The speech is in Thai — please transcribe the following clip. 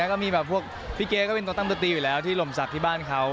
ตอนนี้ก็มีแบบพี่เก๊ก็เป็นต้องตั้งตัวตีอยู่แล้วที่หล่มสักที่บ้านเขา